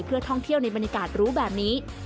เพื่อท่องเที่ยวในบรรยากาศรู้แบบนี้